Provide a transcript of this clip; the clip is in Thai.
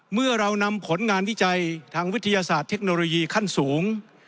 เมื่อเรานำผลงานวิจัยทางวิทยาศาสตร์เทคโนโลยีขั้นสูง